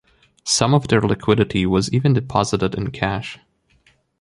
Some of their liquidity was even deposited in cash.